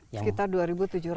sekitar dua ribu tujuh ratus ya